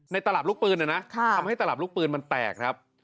ตลับลูกปืนนะนะทำให้ตลับลูกปืนมันแตกครับ